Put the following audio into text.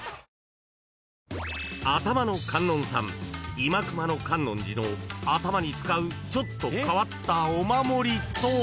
今熊野観音寺の頭に使うちょっと変わったお守りとは？］